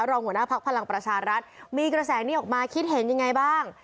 รองหัวหน้าพักพลังประชารัฐมีกระแสนี้ออกมาคิดเห็นยังไงบ้าง